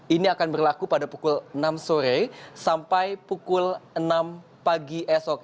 ini akan berlaku pada pukul enam sore sampai pukul enam pagi esok